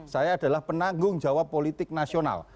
saya adalah penanggung jawab politik nasional